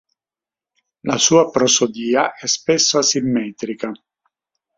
La sua prosodia è spesso asimmetrica.